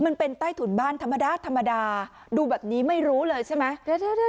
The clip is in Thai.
มันเป็นใต้ถุนบ้านธรรมดาธรรมดาดูแบบนี้ไม่รู้เลยใช่ไหม